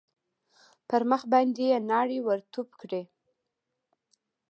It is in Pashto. پر مخ باندې يې ناړې ورتو کړې.